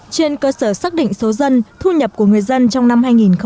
trên cơ sở xác định số dân thu nhập của người dân trong năm hai nghìn một mươi chín